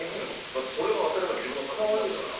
だってそれは当たり前自分の作品なんだから。